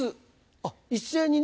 あっ一斉にね。